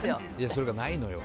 それがないのよ。